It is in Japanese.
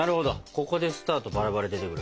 ここでスタートバラバラ出てくる。